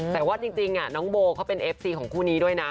แต่ว่าจริงน้องโบเขาเป็นเอฟซีของคู่นี้ด้วยนะ